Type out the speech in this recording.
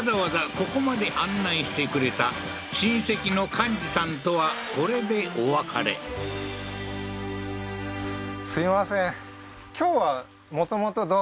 ここまで案内してくれた親戚の完二さんとはこれでお別れ私？